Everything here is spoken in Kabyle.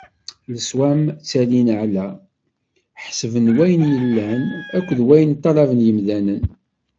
Leswam ttalin ɛla ḥsab n wayen yellan akked wayen ṭṭalaben yimdanen.